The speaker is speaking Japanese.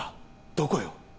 どこよ？